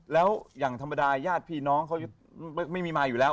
แล้วอย่างธรรมดาญาติพี่น้องเขาไม่มีมาอยู่แล้ว